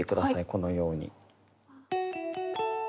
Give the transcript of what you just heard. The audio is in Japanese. このように。